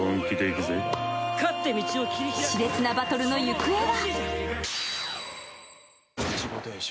しれつなバトルの行方は？